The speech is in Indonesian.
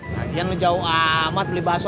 bagian lo jauh amat beli bakso